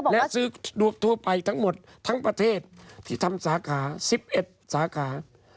และซื้อทั่วไปทั้งหมดทั้งประเทศที่ทำสาขา๑๑สาขา